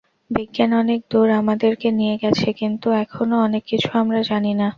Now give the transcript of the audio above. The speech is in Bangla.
বিজ্ঞান অনেক দূর আমাদেরকে নিয়ে গেছে, কিন্তু এখনো অনেক কিছু আমরা জানি না।